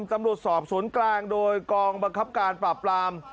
ตำรวจสอบสวนกลางโดยกองบังคับการปราบปราม